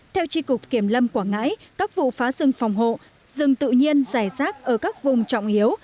theo tri cục kiểm lâm quảng ngãi các vụ phá rừng phòng hộ rừng tự nhiên dài rác ở các vùng trọng yếu